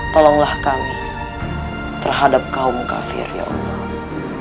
tolonglah kami terhadap kaum kafir ya allah